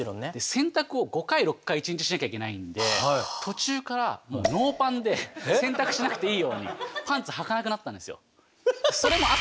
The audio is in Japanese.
洗濯を５回６回一日しなきゃいけないんで途中からもうノーパンで洗濯しなくていいようにパンツはかなくなったんですよ。